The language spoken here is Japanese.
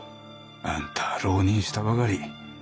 あんたは浪人したばかり。